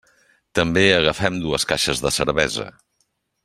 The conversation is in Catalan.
També agafem dues caixes de cervesa.